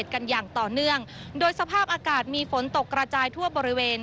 กันอย่างต่อเนื่องโดยสภาพอากาศมีฝนตกกระจายทั่วบริเวณ